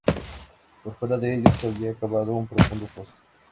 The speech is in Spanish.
Por fuera de ellos habían cavado un profundo foso.